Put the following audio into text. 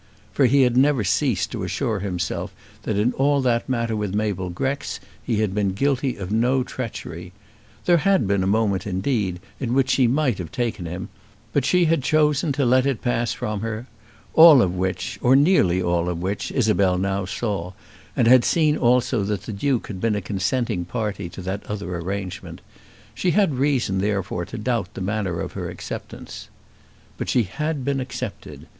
For he had never ceased to assure himself that in all that matter with Mabel Grex he had been guilty of no treachery. There had been a moment, indeed, in which she might have taken him; but she had chosen to let it pass from her. All of which, or nearly all of which, Isabel now saw, and had seen also that the Duke had been a consenting party to that other arrangement. She had reason therefore to doubt the manner of her acceptance. But she had been accepted.